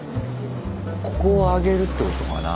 ここを上げるってことかな？